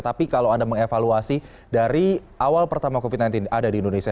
tapi kalau anda mengevaluasi dari awal pertama covid sembilan belas ada di indonesia